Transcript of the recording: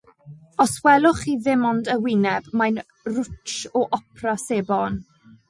Os welwch chi ddim ond y wyneb, mae'n rwtsh o opera sebon.